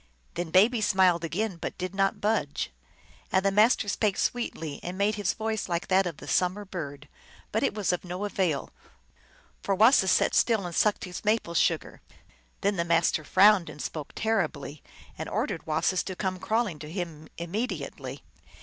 Then Baby smiled again, but did not budge. And the Master spake sweetly and made his voice like that of the summer bird, but it was of no avail, for Wasis sat still and sucked his maple sugar. Then the Master frowned and spoke terribly, and ordered Wasis to come crawling to him immediately.